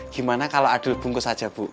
gimana kalau adul bungkus saja bu